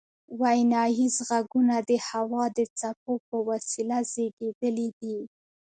ویناییز غږونه د هوا د څپو په وسیله زیږیدلي دي